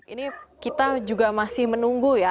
ini kita juga masih menunggu ya